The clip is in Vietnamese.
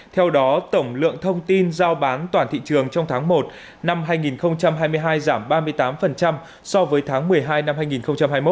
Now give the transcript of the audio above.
theo đó tổng lượng thông tin giao bán toàn thị trường trong tháng một năm hai nghìn hai mươi hai giảm ba mươi tám so với tháng một mươi hai năm hai nghìn hai mươi một